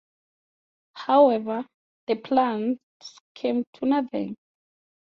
However, the plans came to nothing.